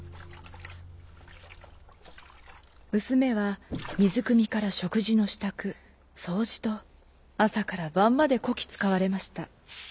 むすめはみずくみからしょくじのしたくそうじとあさからばんまでこきつかわれました。